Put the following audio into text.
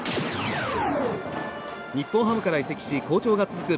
日本ハムから移籍し好調が続く